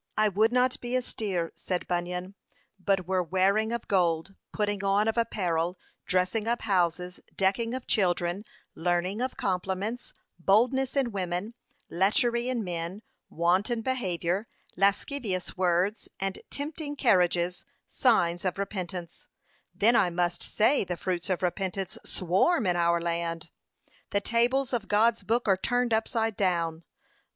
p. 519. 'I would not be austere,' said Bunyan, 'but were wearing of gold, putting on of apparel, dressing up houses, decking of children, learning of compliments, boldness in women, lechery in men, wanton behaviour, lascivious words, and tempting carriages, signs of repentance; then I must say, the fruits of repentance swarm in our land.' 'The tables of God's book are turned upside down.